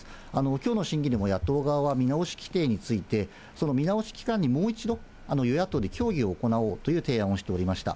きょうの審議でも野党側は見直し規定について、その見直し期間にもう一度、与野党で協議を行おうという提案をしておりました。